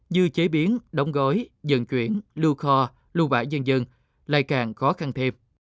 như chế biến đóng gói dần chuyển lưu kho lưu vãi dân dân lại càng khó khăn thêm